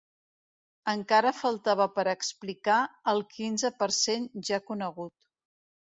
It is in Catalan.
Encara faltava per explicar el quinze per cent ja conegut.